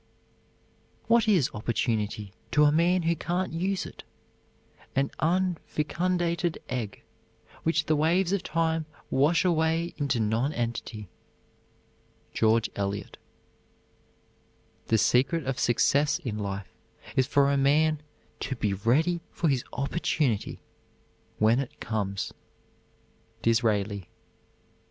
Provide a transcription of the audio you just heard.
What is opportunity to a man who can't use it? An unfecundated egg, which the waves of time wash away into non entity. GEORGE ELIOT. The secret of success in life is for a man to be ready for his opportunity when it comes. DISRAELI.